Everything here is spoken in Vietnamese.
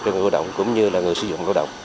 cho người lao động cũng như là người sử dụng lao động